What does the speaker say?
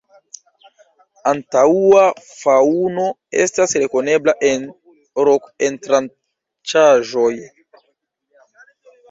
Antaŭa faŭno estas rekonebla en rok-entranĉaĵoj.